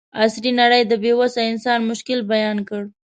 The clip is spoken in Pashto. عصري نړۍ د بې وسه انسان مشکل بیان کړ.